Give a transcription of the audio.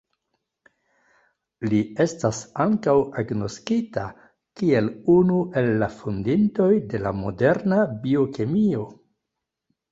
Li estas ankaŭ agnoskita kiel unu el la fondintoj de la moderna biokemio.